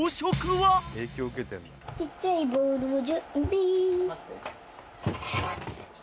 「ちっちゃいボウルを準備」